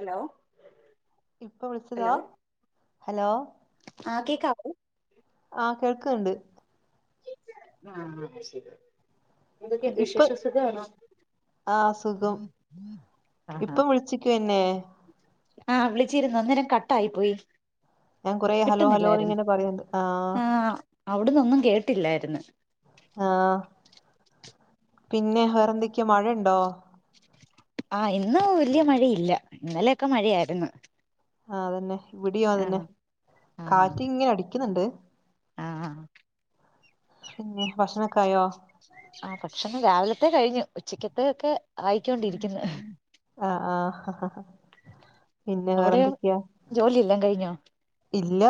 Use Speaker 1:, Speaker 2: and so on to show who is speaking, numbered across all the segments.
Speaker 1: Hello
Speaker 2: ഇപ്പൊ വിളിച്ചതാ
Speaker 1: hello
Speaker 2: hello.
Speaker 1: ആഹ് കേക്കാകൂ.
Speaker 2: ആഹ് കേൾക്ക്ണ്ട്.
Speaker 1: ആഹ് ശെരിയാ എന്തൊക്കെണ്ട് വിശേഷം സുഖാണോ.
Speaker 2: ആഹ് സുഖം
Speaker 1: ആഹാ
Speaker 2: ഇപ്പം വിൾച്ചിക്കെന്നെ.
Speaker 1: ആഹ് വിളിച്ചിരുന്നു അന്നേരം കട്ടായി പോയി.
Speaker 2: ഞാൻ കൊറെ ഹലോ ഹലോന്ന് ഇങ്ങനെ പറയണ്ട് ആഹ്.
Speaker 1: അവ്ട്ന്നൊന്നും കേട്ടില്ലായിര്ന്ന്.
Speaker 2: ആഹ് പിന്നെ വേറെന്തൊക്കെ മഴണ്ടോ.
Speaker 1: ആഹ് ഇന്ന് വല്ല്യ മഴയില്ല ഇന്നലെക്കെ മഴയായിര്ന്ന്.
Speaker 2: ആഹ് അതന്നെ ഇവിടിയു അതന്നെ.
Speaker 1: ആഹാ
Speaker 2: കാറ്റിങ്ങനെ അടിക്ക്ന്ന്ണ്ട്
Speaker 1: ആഹ്
Speaker 2: പിന്നെ. ഭക്ഷണക്കായോ.
Speaker 1: ആഹ് ഭക്ഷണം രാവിലത്തെ കഴിഞ്ഞു ഉച്ചക്കത്തഒക്കെ.
Speaker 2: ആ ആഹ്. പിന്നെ
Speaker 1: അവിടെയോ
Speaker 2: വേറെന്തൊക്ക്യാ.
Speaker 1: ജോലിയെല്ലാം കഴിഞ്ഞോ
Speaker 2: ഇല്ല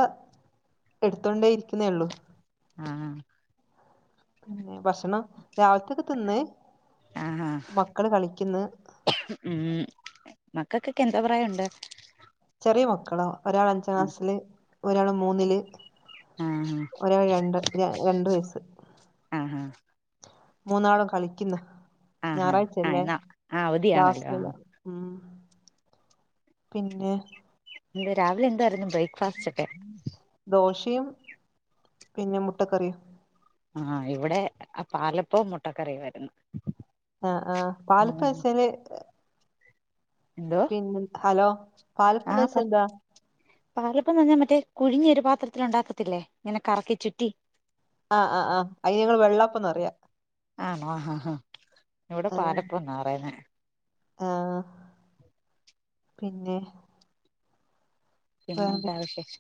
Speaker 2: എടുത്തോണ്ടേരിക്കുന്നേ ഉള്ളൂ.
Speaker 1: ആഹ്.
Speaker 2: പിന്നേ ഭക്ഷണം രാവിൽത്തൊക്കെ തിന്ന്
Speaker 1: ആഹാ
Speaker 2: മക്കള് കളിക്ക്ന്ന്.
Speaker 1: ഉം മക്കക്കൊക്കെ എന്തോ പ്രായൊണ്ട്.
Speaker 2: ചെറിയ മക്കളാ ഒരാള് അഞ്ചാം
Speaker 1: ആഹ്
Speaker 2: ക്ലാസില് ഒരാള് മൂന്നില്.
Speaker 1: ആഹ്
Speaker 2: ഒരാള് രണ്ട് ര രണ്ട് വയസ്സ്.
Speaker 1: ആഹാ.
Speaker 2: മൂന്നാളും കളിക്കിന്ന്
Speaker 1: ആഹാ ആഹ്
Speaker 2: ഞാറാഴ്ചയല്ലേ
Speaker 1: എന്നാ ആഹ് അവധിയാണല്ലോ
Speaker 2: ക്ലാസില്ല. ഉം പിന്നെ?
Speaker 1: എന്ത് രാവിലെ എന്തായിരുന്നു ബ്രേക്ക്ഫാസ്റ്റൊക്കെ?
Speaker 2: ദോശേം പിന്നെ മുട്ടക്കറിയും.
Speaker 1: ആ ഇവിടെ പാലപ്പോം മുട്ടക്കറിയും ആര്ന്ന്.
Speaker 2: ആ ആ പാലപ്പച്ചാല്?
Speaker 1: എന്തോ?
Speaker 2: ഉം ഹലോ പാലപ്പന്നച്ചാ എന്താ?
Speaker 1: പാലപ്പം പറഞ്ഞാ മറ്റേ കുഴിഞ്ഞൊരു പാത്രത്തില് ഉണ്ടാക്കത്തില്ലേ ഇങ്ങനെ കറക്കി ചുറ്റി
Speaker 2: ആ ആ ആ അയ്ന് ഇവ്ടെ വെള്ളപ്പന്നറ്യാ.
Speaker 1: ആണോ ആഹ് ആഹ്. ഇവടെ
Speaker 2: ആ
Speaker 1: പാലപ്പന്നാ പറയ്ന്നേ.
Speaker 2: ആ പിന്നെ?
Speaker 1: പിന്നെ എന്താ
Speaker 2: വേറേന്തൊക്കെ
Speaker 1: വിശേഷം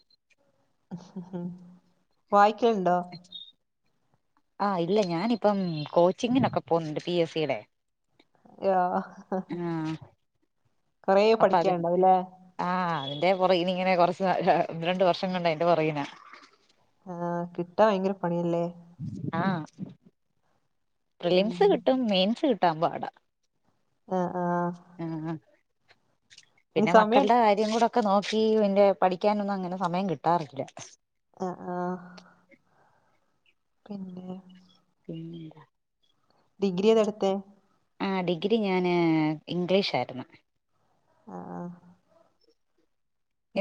Speaker 2: വായ്ക്കേണ്ടോ?
Speaker 1: ആ ഇല്ല ഞാനിപ്പം കോച്ചിങ്ങിനൊക്കെ പോവ്ന്ന്ണ്ട് പി എസ് സിടെ.
Speaker 2: യാ കൊറേ പഠിക്യാണ്ടാവുല്ലേ?
Speaker 1: ആ അതിന്റെ പൊറെകെനി ഇങ്ങനെ കൊറച്ച് ഒന്ന് രണ്ട് വർഷം കൊണ്ട് അയ്ന്റെ പൊറകിനാ.
Speaker 2: ആ കിട്ടാൻ ഭയങ്കര പണിയല്ലേ?
Speaker 1: ആഹ്
Speaker 2: ഉം
Speaker 1: പ്രിലിംസ് കിട്ടും മെയിൻസ് കിട്ടാൻ പാടാ.
Speaker 2: ആഹ് ആഹ്.
Speaker 1: ആ
Speaker 2: ഇനി
Speaker 1: പിന്നെ
Speaker 2: സമയം
Speaker 1: മക്കള്ടെ കാര്യം കൂടെ ഒക്കെ നോക്കി ഇന്റെ പഠിക്ക്യാനൊന്നും അങ്ങനെ സമയം കിട്ടാറില്ല.
Speaker 2: ആഹ് ആഹ്. പിന്നെ?
Speaker 1: [inaudible]
Speaker 2: ഡിഗ്രി ഏതാ എട്‌ത്തേ?
Speaker 1: ആ ഡിഗ്രി ഞാന് ഇംഗ്ലീഷ് ആര്ന്നു.
Speaker 2: ആഹ് ആഹ്.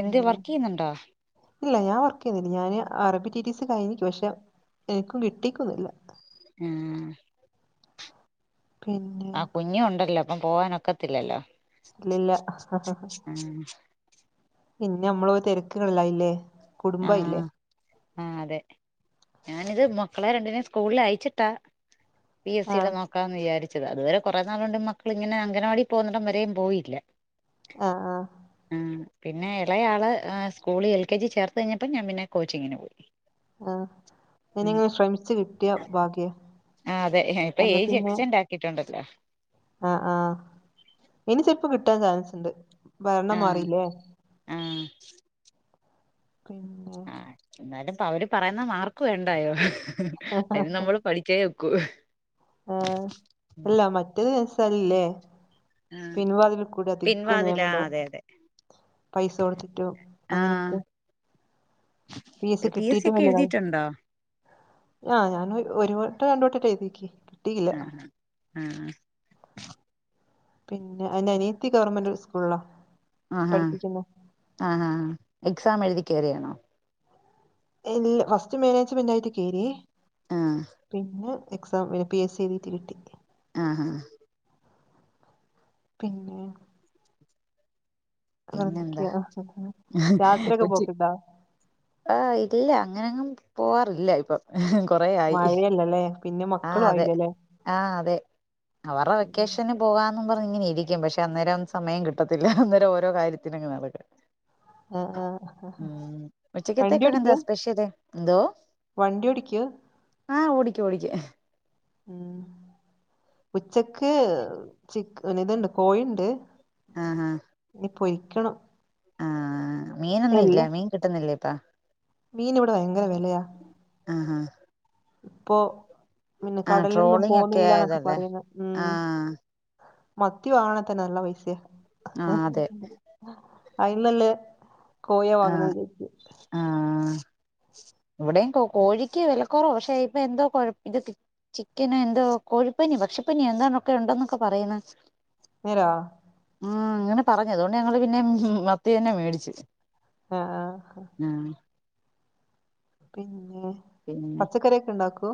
Speaker 1: എന്ത് വർക്ക് ചെയ്യുന്നുണ്ടോ
Speaker 2: ഇല്ല ഞാൻ വർക്ക് ചെയ്യുന്നില്ല ഞാന് അറബി ട്ടി ട്ടി സി കഴിഞ്ഞ് ക്ക് പക്ഷെ എൻക്കും കിട്ടീക്കൊന്നുംല്ല.
Speaker 1: ആഹ്.
Speaker 2: പിന്നെ
Speaker 1: ആ കുഞ്ഞും ഉണ്ടല്ലോ അപ്പം പോവാനൊക്കത്തില്ലല്ലോ.
Speaker 2: ഇല്ലല്ല.
Speaker 1: ഉം.
Speaker 2: പിന്നെ അമ്മള് തെരക്ക്കളായില്ലേ
Speaker 1: ആ
Speaker 2: കുടുംബായില്ലേ.
Speaker 1: ആ അതെ ഞാനിത് മക്കളെ രണ്ടിനേം സ്കൂൾ അയച്ചിട്ടാ പി എസ് സിയുടെ
Speaker 2: ആഹ്
Speaker 1: നോക്കാന്ന് വിചാരിച്ചത് അതുവരെ കുറെ നാള് കൊണ്ട് മക്കളിങ്ങനെ അംഗനവാടി പോകുന്നടം വരെയും പോയില്ല.
Speaker 2: ആഹ് ആഹ്.
Speaker 1: ആ പിന്നെ ഇളയാള് സ്കൂള് എൽ, കെ, ജി, ചേർത്ത് കയ്ഞ്ഞപ്പോ ഞാൻ പിന്നെ കോച്ചിങ്ങിന് പോയി.
Speaker 2: ആ
Speaker 1: ഉം
Speaker 2: ഇനിങ്ങനെ ശ്രമിച്ച് കിട്ട്യാ ഭാഗ്യ
Speaker 1: ആ അതെ ഇപ്പൊ
Speaker 2: കാരണം
Speaker 1: ഏജ്
Speaker 2: പിന്നെ
Speaker 1: [unintelligible]
Speaker 2: ആ ആ ഇനി ചെലപ്പോ കിട്ടാൻ ചാൻസ് ഇണ്ട് ഭരണം മാറീലേ?
Speaker 1: മ്.
Speaker 2: പിന്നെ?
Speaker 1: എന്നാലും അവര് പറയുന്ന മാർക്ക് വേണ്ടായോ അതിന് നമ്മള് പഠിച്ചേ വെക്കൂ.
Speaker 2: ആഹ് അല്ല മറ്റത് [unintelligible]
Speaker 1: ആഹ്
Speaker 2: പിൻവാതിൽ കൂടെ അധിക
Speaker 1: പിൻവാതിലാ
Speaker 2: നിയമണ്ടാ
Speaker 1: അതെ അതെ
Speaker 2: പൈസ കൊട്ത്തിട്ടും
Speaker 1: ആഹ്
Speaker 2: അങ്ങനെയൊക്കെ ഫീസ്
Speaker 1: പി എസ് സി
Speaker 2: കിട്ടീട്ടും
Speaker 1: ഒക്കെ
Speaker 2: വല്ല്യ കാ
Speaker 1: എഴുതിയിട്ടുണ്ടോ
Speaker 2: ആഹ് ഞാൻ ഒര് വട്ടം രണ്ട് വണ്ടംന്റെ എഴ്തീക്കി.
Speaker 1: ആഹ് ആഹ്
Speaker 2: പിന്നെ എൻ്റെ അനീയത്തി ഗവൺമെന്റ് സ്കൂളില
Speaker 1: ആഹ് ആഹ് എക്സാം എഴുതി കെറിയതാണോ
Speaker 2: അല്ല ഫസ്റ്റ് മാനേജ്മെന്റ് ആയിട്ട് കേറിയെ
Speaker 1: ആഹ്
Speaker 2: പിന്നെ- എക്സാം പിന്നെ പി എസ് സി എഴുതിട്ട് കിട്ടി
Speaker 1: ആഹ് ആഹ്
Speaker 2: പിന്നെ
Speaker 1: പിന്നെ എന്താ
Speaker 2: വേറെന്തൊക്കെയാ യാത്രയൊക്കെ
Speaker 1: കൊച്ചി-
Speaker 2: പോക്ക്ണ്ടോ
Speaker 1: ആഹ് ഇല്ല അങ്ങനെങ്ങും പോവാറില്ല ഇപ്പൊ കൊറയായി
Speaker 2: ഇല്ല അല്ലെ പിന്നെ-
Speaker 1: ആഹ്
Speaker 2: മക്കളും
Speaker 1: അതെ
Speaker 2: ആയില്ലല്ലേ
Speaker 1: ആഹ് അതെ അവരുടെ വെക്കേഷനും- പോവാന്നും പറഞ് ഇങ്ങനെ ഇരിക്കും പക്ഷെ അന്നേരം ഒന്നും സമയം കിട്ടത്തില്ല അന്നേരം ഓരോ കാര്യത്തിന് അങ്ങ് നടക്കും
Speaker 2: ആഹ് ആഹ്
Speaker 1: ഉം
Speaker 2: വണ്ടി
Speaker 1: ഉച്ചക്കലത്തേക്ക്ക്കെ എന്താ
Speaker 2: ഓടിക്കോ
Speaker 1: സ്പെഷ്യല് എന്തോ
Speaker 2: വണ്ടി ഓടിക്കുവോ
Speaker 1: ആഹ് ഓടിക്കും ഓടിക്കും
Speaker 2: ഉം ഉച്ചക്ക് ഇതുണ്ട് കോഴിയുണ്ട്
Speaker 1: ആഹ് ആഹ്
Speaker 2: ഇനി പൊരിക്കണം
Speaker 1: ആഹ് മീനൊന്നും ഇല്ലേ മീൻ കിട്ടുന്നില്ലേ ഇപ്പ
Speaker 2: മീന് ഇവിടെ ഭയങ്കര വെലയാ
Speaker 1: ആഹ് ആഹ്
Speaker 2: ഇപ്പോ പിന്നെ
Speaker 1: ആഹ്
Speaker 2: കടലിലൊന്നും
Speaker 1: ട്രോളിംഗ് ഒക്കെ
Speaker 2: പോന്നില്ലന്നൊക്കെ
Speaker 1: ആയതല്ലേ
Speaker 2: പറയുന്നു ഉം
Speaker 1: ആഹ്
Speaker 2: മത്തി വാങ്ങണേ തന്നെ നല്ല പൈസയ
Speaker 1: ആഹ് അതെ
Speaker 2: അതിലും നല്ലയാ കോഴി വാങ്ങുന്നത്
Speaker 1: ആഹ്
Speaker 2: വിചാരിച്
Speaker 1: ആഹ് ഇവിടെയും കോഴിക്ക് വെല കൊറവ പക്ഷെ ഇപ്പൊ എന്തോ കൊഴപ്പം ഇതൊക്കെ- ചിക്കന് എന്തോ കോഴിപ്പനി പക്ഷിപ്പനി എന്താണൊക്കെ ഉണ്ടന്നൊക്കെ പറയുന്നു
Speaker 2: നേരാ
Speaker 1: ഉം അങ്ങനെ പറഞ് അതോണ്ട് ഞങ്ങള് പിന്നെ മത്തി തന്നെ മേടിച്ച്
Speaker 2: ആഹ് ആഹ്
Speaker 1: ആഹ്
Speaker 2: പിന്നെ പച്ചക്കറിയൊക്കെ ഉണ്ടാക്കോ?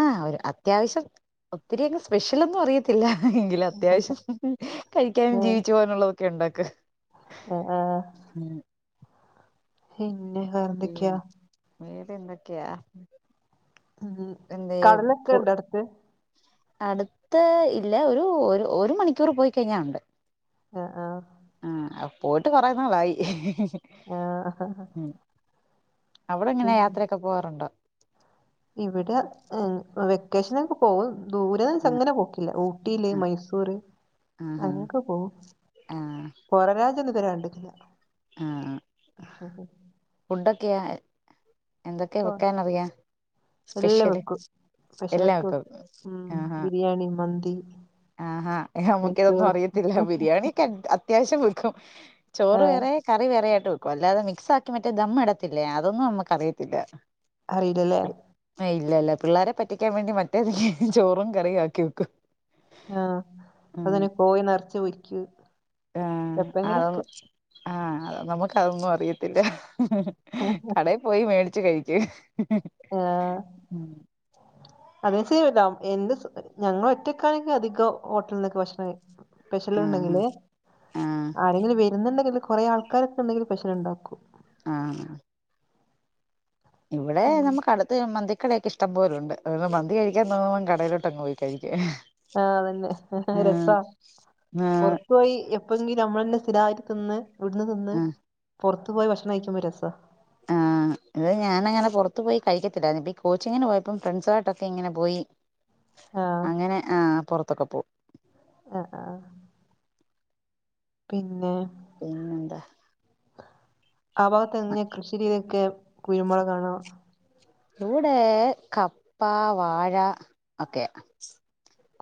Speaker 1: ആഹ്‌ ഒരു അത്യാവശ്യം ഒത്തിരിയങ്ങ് സ്പെഷ്യൽ ഒന്നും അറിയത്തില്ല ഇല്ല എങ്കിലും അത്യാവശ്യം കഴിക്കാനും ജീവിച്ചു പോകാനുള്ളതൊക്കെ ഉണ്ടാക്ക
Speaker 2: ആഹ്‌ ആഹ്‌
Speaker 1: ഉം
Speaker 2: പിന്നെ വേറെന്തൊക്കെയാ
Speaker 1: വേറെന്തൊക്കെയാ
Speaker 2: ഉം
Speaker 1: എന്തേ
Speaker 2: കടലൊക്കെ
Speaker 1: പോ-
Speaker 2: ഇണ്ടോ അടുത്ത്
Speaker 1: അടുത്ത ഇല്ല ഒരു ഒരു മണിക്കൂർ പോയി കഴിഞ്ഞ ഒണ്ട്
Speaker 2: ആഹ്‌ ആഹ്‌
Speaker 1: ആഹ്‌ പോയിട്ട് കൊറെനാളായി.
Speaker 2: ആഹ്‌ ആഹ
Speaker 1: അവിടെ എങ്ങനെയാ യാത്രയൊക്കെ പോവാറുണ്ടോ?
Speaker 2: ഇവിടെ ഉം വെക്കേഷനൊക്കെ പോകും. ദൂരെന്ന് വെച്ചാ
Speaker 1: ആഹ്
Speaker 2: അങ്ങനെ പോക്കില്ല ഊട്ടിയില്
Speaker 1: ആഹ്
Speaker 2: മൈസൂര്
Speaker 1: ആഹ്
Speaker 2: അങ്ങനെയക്കെ പോകും
Speaker 1: ആഹ്
Speaker 2: പൊറം രാജ്യം ഒന്നും ഇതുവരെ കണ്ടിട്ടില്ല
Speaker 1: ആഹ് ആഹ് ഫുഡൊക്കെയാ എന്തൊക്കെ
Speaker 2: അപ്പൊ
Speaker 1: വെക്കാനറിയാം
Speaker 2: എല്ലാം
Speaker 1: സ്പെഷ്യല്
Speaker 2: വെക്കും സ്പെഷ്യലൊക്കെ
Speaker 1: എല്ലായാക്കും
Speaker 2: വെക്കും ഉം
Speaker 1: ആഹ്
Speaker 2: ബിരിയാണി മന്തി
Speaker 1: ആഹ് ഹാ നമുക്കിതൊന്നും
Speaker 2: നെയ്ച്ചോറ്
Speaker 1: അറിയത്തില്ല ബിരിയാണിക്കെ- അത്യാവശ്യം വെക്കും ചോറ്
Speaker 2: ആഹ്
Speaker 1: വേറെ കറി വേറൊയിട്ട് വെക്കും അല്ലാതെ മിക്സ് ആക്കി മറ്റേ ദമ്മടത്തില്ലേ അതൊന്നും നമ്മുക്ക് അറിയത്തില്ല.
Speaker 2: അറിയില്ലല്ലേ
Speaker 1: ഇല്ലല്ല പിള്ളാരെ പറ്റിക്കാൻ വേണ്ടി മറ്റേതിഹ് ചോറും കറിയും ആക്കി വെക്കും.
Speaker 2: ആഹ്
Speaker 1: ഉം
Speaker 2: അതനെ കോയി നെറച്ച് പൊരിക്കും
Speaker 1: ആഹ്
Speaker 2: എപ്പങ്ങനെയെക്കെ
Speaker 1: അതൊന്നും ആഹ് നമ്മക്ക് അതൊന്നും അറിയത്തില്ലഹ്ഹ്ഹ കടേ പോയി മേടിച്ചു കഴിക്ക് ഹ്ഹ്.
Speaker 2: ആഹ് അത് [unintelligible] എന്ത് ഞങ്ങളൊറ്റയ്ക്കാണെങ്കിയധികം ഹോട്ടലിൽനിന്നൊക്കെ ഭക്ഷണം കഴിക്കും
Speaker 1: ആഹ്
Speaker 2: പെഷല്ണ്ടെങ്കില്
Speaker 1: ആഹ്
Speaker 2: ആരെങ്കിലും വരുന്നുണ്ടെങ്കില് കൊറെ ആൾക്കാരൊക്കെ ഉണ്ടെങ്കിൽ പെഷൽ ഉണ്ടാക്കും.
Speaker 1: ആഹ് ഇവിടെ നമ്മുക്കടുത്ത്. ത്ത് മന്തിക്കടയെക്കെ ഇഷ്ടം പോലൊണ്ട് [unintelligible] മന്തി കഴിക്കാൻ തോന്നമ്പോ കടയിലോട്ടങ് പോയി കഴിക്കും.
Speaker 2: ആഹ് അതന്നെ ഹ്ഹ്
Speaker 1: ആഹ്
Speaker 2: രസാ. പോയി എപ്പോങ്കി നമ്മളന്നെ സ്ഥിരായിട്ട് തിന്ന് ഇവ്ടുന്ന് തിന്ന്
Speaker 1: ആഹ്
Speaker 2: പൊറത്തു പോയി ഭക്ഷണം കഴിക്കുമ്പോ രസാ
Speaker 1: ആഹ് ഇത് ഞാനങ്ങനെ പൊറത്ത് പോയി കഴിക്കത്തില്ലായിന്ന് ഇപ്പൊ ഈ കോച്ചിങ്ങിന് പോയപ്പം ഫ്രണ്ട്സുവായിട്ടക്കെങ്ങനെ പോയി
Speaker 2: ആഹ്
Speaker 1: അങ്ങനെ ആഹ് പൊറത്തൊക്കെ പോം
Speaker 2: ആഹ് ആഹ് പിന്നെ
Speaker 1: പിന്നെ ന്താ
Speaker 2: ആ ഭാഗത്തെങ്ങനെയ കൃഷി രീതിക്കെ കുരുമുളകാണോ
Speaker 1: ഇവിടെ കപ്പ വാഴ ഒക്കെ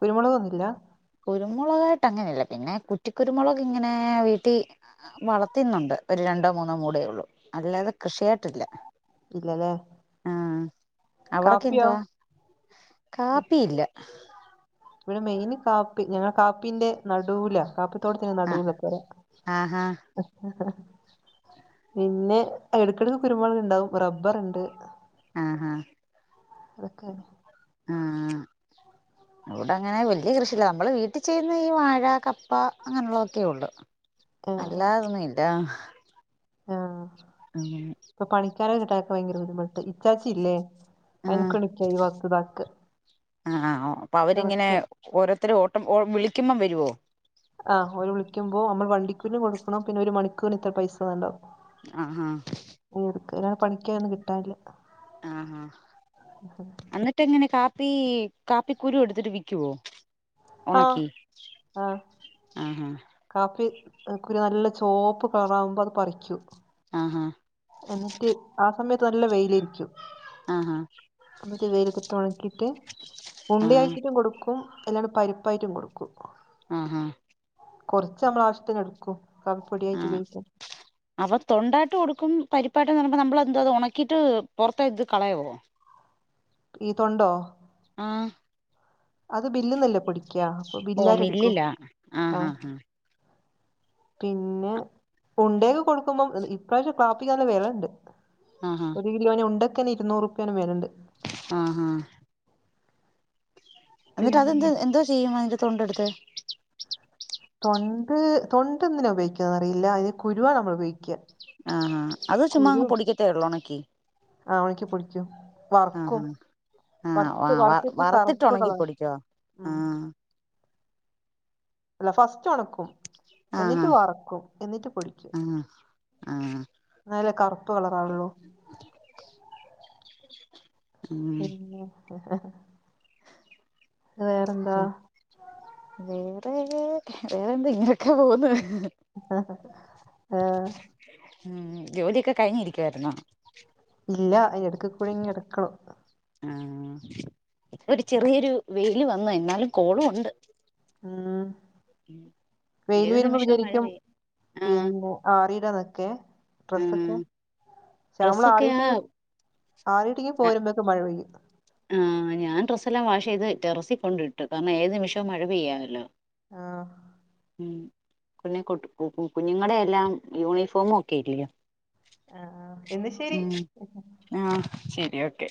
Speaker 2: കുരുമുളകൊന്നുല്ല
Speaker 1: കുരുമുളകായിട്ടങ്ങനെല്ല പിന്നെ കുറ്റി കുരുമുളക് ങ്ങനെ വീട്ടി വളർത്തിന്നൊണ്ട് ഒരു രണ്ടോ മൂന്നോ മൂടേ ഒള്ളൂ അല്ലാതെ കൃഷിയായിട്ടില്ല.
Speaker 2: ഇല്ലല്ലേ
Speaker 1: ആഹ്
Speaker 2: കാപ്പിയോ
Speaker 1: അവിടൊക്കെന്തുവാ കാപ്പിയില്ല.
Speaker 2: ഇവിടെ മെയിന് കാപ്പി ഞങ്ങള് കാപ്പിന്റെ നടുവിലാ കാപ്പി തോട്ടത്തിന്
Speaker 1: ആഹ്
Speaker 2: നടുലാ പെര
Speaker 1: ആഹാ
Speaker 2: പിന്നെ ഇടക്കെടക്ക് കുരുമുളക്ണ്ടാവും റബ്ബറ്ണ്ട്
Speaker 1: ആഹാ
Speaker 2: അതെക്കെ
Speaker 1: ആഹ് ഇവിടങ്ങനെ വല്യ കൃഷില്ല നമ്മള് വീട്ടിൽ ചെയ്യുന്ന ഈ വാഴ കപ്പ അങ്ങനുള്ളതൊക്കേ ഒള്ള്
Speaker 2: ആഹ്
Speaker 1: അല്ലാതൊന്നുല്ലാഹ്
Speaker 2: ആഹ് ഇപ്പൊ പണിക്കാരെ കിട്ടാക്കെ ഭയങ്കര ബുദ്ധിമുട്ട് ഇച്ചാച്ചില്ലേ
Speaker 1: ആഹ്
Speaker 2: അയിന്ക്കണിക്ക ഈ വക്താക്ക് കണക്ക്
Speaker 1: ഓരോത്തരോട്ടം ഓ വിളിക്കുമ്പം വരുവോ
Speaker 2: ആഹ് ഓര് വിളിക്കുമ്പോ അമ്മള് വണ്ടിക്കൂലിം കൊടുക്കണം പിന്നെ ഒരു മണിക്കൂറിത്തറ പൈസന്ന് ണ്ടാവും
Speaker 1: ആഹാ
Speaker 2: ഇവിടുക് [unintelligible] പണിക്കൊന്നും കിട്ടാനില്ല
Speaker 1: ആഹാ അന്നിട്ടങ്ങനെ കാപ്പി കാപ്പി കുരു എടുത്തിട്ട് വിക്കുവോ
Speaker 2: ആഹ്
Speaker 1: ഒണക്കി
Speaker 2: ആഹ്
Speaker 1: ആഹാ
Speaker 2: കാപ്പി കുരു നല്ല ചോപ്പ് കളറാവുമ്പോ അത് പറിക്കൂ
Speaker 1: ആഹാ
Speaker 2: എന്നിട്ട് ആ സമയത്ത് നല്ല വെയിലേരിക്കു
Speaker 1: ആഹാ
Speaker 2: അത് വേലത്തിട്ടൊണക്കീട്ട്
Speaker 1: ആഹ്
Speaker 2: ഉണ്ടയാക്കിട്ടും കൊടുക്കും എല്ലാണ്ട് പരിപ്പായിറ്റും കൊടുക്കും
Speaker 1: ആഹാ
Speaker 2: കൊറച്ചമ്മളാവശ്യത്തിനെടുക്കും
Speaker 1: ആഹ് അവർ തൊണ്ടായിട്ട് കൊട്ക്കും. പരിപ്പായിട്ട്ന്ന് പറിമ്പം നമ്പള് എന്താത് ഒണക്കിട്ട് പൊറത്തേത് കളയവോ?
Speaker 2: ഈ തൊണ്ടോ?
Speaker 1: ആഹ്
Speaker 2: അത് ബില്ല്ന്നല്ലേ പൊടി
Speaker 1: ഓ മില്ലില്ലാ
Speaker 2: ആ
Speaker 1: ആഹ് ആഹ്ആഹ്
Speaker 2: പിന്നെ കൊണ്ടേയ്ക്കെ കൊടുക്കുമ്പം ഇപ്രാവശ്യം കാപ്പിക്കല്ല വെലണ്ട്.
Speaker 1: ആഹ് ആഹ്
Speaker 2: ഒരു കിലോനെ ഉണ്ടക്കന്നെ ഇരുന്നൂറുപ്പ്യന്റെ മേലെണ്ട്
Speaker 1: ആഹ് ആഹ് എന്ന്ട്ട്
Speaker 2: പിന്നെ
Speaker 1: അതെന്താ എന്തോ ചെയ്യും അയിന്റെ തൊണ്ടെട്ത്ത്?
Speaker 2: തൊണ്ട് തൊണ്ടന്തിനാ ഉപയോഗിക്കാന്നറിയില്ലാ. അയിലെ കുരുവാനമ്മൾ ഉപയോഗിക്കാ.
Speaker 1: ആഹ് ആഹ് അത് ചുമ്മ അങ് പൊടിക്കത്തേ ഒള്ളോ ഒണക്കി
Speaker 2: ആഹ്. ഒണക്കി പൊടിക്കും. വർക്കും
Speaker 1: ആഹാ ആഹ് വ
Speaker 2: വർത്ത്
Speaker 1: വ
Speaker 2: വർത്ത്ട്ട്
Speaker 1: വറുത്തിട്ട് ഉണക്കി
Speaker 2: കറുപ്പുകളറാ
Speaker 1: പൊടിക്കോ
Speaker 2: ഉം.
Speaker 1: ആഹ്
Speaker 2: അല്ല ഫസ്റ്റ് ഒണക്കും,
Speaker 1: ആഹ്
Speaker 2: എന്നിട്ട് വറക്കും, എന്നിട്ട് പൊടിക്കും.
Speaker 1: ആഹ് ആഹ്
Speaker 2: എന്നാലേ കറുപ്പ്‌ കളറാവുള്ളൂ
Speaker 1: ഉം
Speaker 2: പിന്നെ? വേറെന്താ?
Speaker 1: വേറേ, വേറെന്താ ഇങ്ങനൊക്കെ പോവ്ന്ന്.
Speaker 2: ഏഹ്
Speaker 1: ഉം. ജോലിയൊക്കെ കഴിഞ്ഞി ഇരിക്കുവായിരുന്നോ
Speaker 2: ഇല്ല. അ ഇടക്ക്കൂടെ ഇങ് എടുക്കണം.
Speaker 1: ആഹ്. ഒര് ചെറിയൊരു വെയില് വന്ന്. എന്നാലും കോളു ഒണ്ട്.
Speaker 2: ആഹ്. വെയില്
Speaker 1: ഏത്
Speaker 2: വെരുമ്പം
Speaker 1: നിമിഷവും മഴ
Speaker 2: വിചരിക്കും
Speaker 1: പെയ്യും ആഹ്
Speaker 2: പിന്നെ ആറിടാന്നൊക്കെ ഡ്രസ്സൊക്കെ
Speaker 1: ആഹ്
Speaker 2: ക്ഷെ അമ്മള്
Speaker 1: ഡ്രസ്സൊക്കെയാ
Speaker 2: ആറിട്ട് ഈ ആറീട്ടിങ്ങി പോരുമ്പേക്ക് മഴ പെയ്യും.
Speaker 1: ആഹ്. ഞാൻ ഡ്രെസ്സെല്ലാം വാഷെയ്ത് ടെറസികൊണ്ടിട്ടു. കാരണംഏത് നിമിഷവും മഴപെയ്യാമല്ലോ
Speaker 2: ആഹ്
Speaker 1: ഉം. കുഞ്ഞെ കൊട് കു കു കുഞ്ഞുങ്ങടെല്ലാം യൂണിഫോമൊക്കെല്ല്യൊ
Speaker 2: ആഹ് ആഹ് എന്നാ ശെരി.
Speaker 1: ആഹ്. ശെരി ഓക്കെ.